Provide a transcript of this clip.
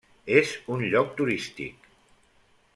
És un lloc turístic.